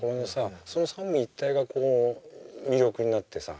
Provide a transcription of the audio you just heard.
その三位一体がこう魅力になってさ